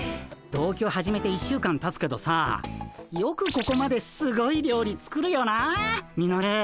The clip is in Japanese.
同居始めて１週間たつけどさよくここまですごい料理作るよなあミノル。